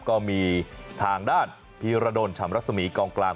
ก็มีทางด้านพีรดลชำรัศมีกองกลาง